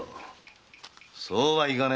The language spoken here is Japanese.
そうはいかねえよ。